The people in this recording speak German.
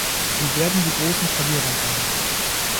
Sie werden die großen Verlierer sein.